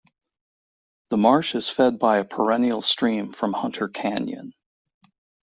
The marsh is fed by a perennial stream from Hunter Canyon.